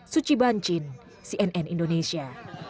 suci banjin cnn indonesia